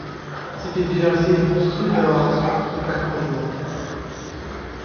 C'était déjà assez monstrueux d'avoir souffert trois jours.